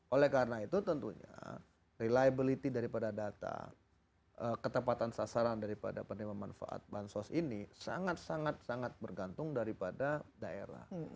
oleh karena itu tentunya reliability daripada data ketepatan sasaran daripada penerima manfaat bansos ini sangat sangat bergantung daripada daerah